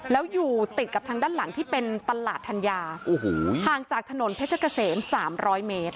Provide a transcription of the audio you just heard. แล้วอยู่ติดกับทางด้านหลังที่เป็นตลาดธัญญาโอ้โหห่างจากถนนเพชรเกษม๓๐๐เมตร